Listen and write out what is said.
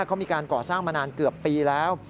เขามีการก่อสร้างมานานเกือบปีแล้ว